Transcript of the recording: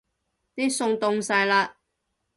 啲餸凍晒喇